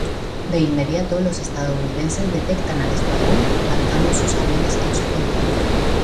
De inmediato los estadounidenses detectan al escuadrón, lanzando sus aviones en su contra.